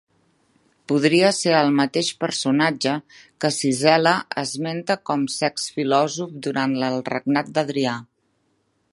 Podria ser el mateix personatge que Sincel·le esmenta com Sext Filòsof durant el regnat d'Adrià.